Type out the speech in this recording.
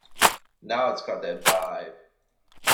Now it's got that vibe.